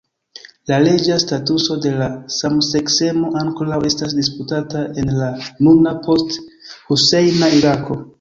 La leĝa statuso de la samseksemo ankoraŭ estas disputata en la nuna post-Husejna Irako.